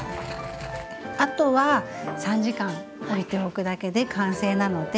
あとは３時間おいておくだけで完成なので。